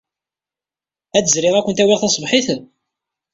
Ad d-zriɣ ad kent-awyeɣ taṣebḥit?